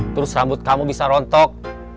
terus rambut kamu bisa rontok